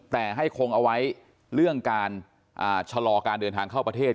แต่ให้คงเอาไว้เรื่องการชะลอการเดินทางเข้าประเทศ